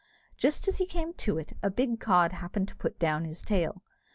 Just as he came to it, a big cod happened to put down his tail.